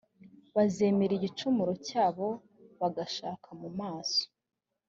bazemera igicumuro cyabo bagashaka mu maso